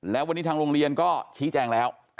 แล้ววันนี้ทางโรงเรียนก็ชี้แจงแล้ว